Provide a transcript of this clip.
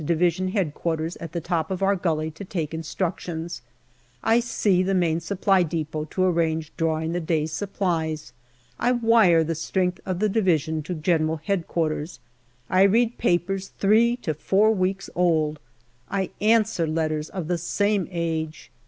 H.Q. at the top of our gully to take instructions. I see the Main Supply depot to arrange drawing the day's supplies. I wire the strength of the Division to G.H.Q. I read papers three to four weeks old ; I answer letters of the same age.